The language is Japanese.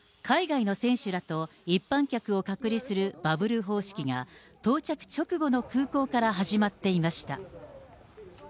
海外の選手らと一般客を隔離するバブル方式が、到着直後の空港から始まっていました。